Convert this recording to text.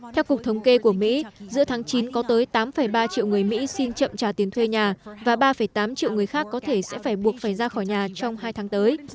theo cục thống kê của mỹ giữa tháng chín có tới tám ba triệu người mỹ xin chậm trả tiền thuê nhà và ba tám triệu người khác có thể sẽ phải buộc phải ra khỏi nhà trong hai tháng tới